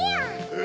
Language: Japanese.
え！